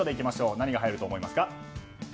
何が入ると思いますか？